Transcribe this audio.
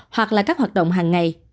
hoặc là các hoạt động hàng ngày